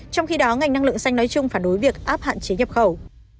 trong khi đó ngành năng lượng xanh nói chung phản đối việc áp hạn chế nhập khẩu